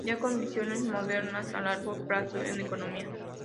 Ya con visiones modernas a largo plazo en economía.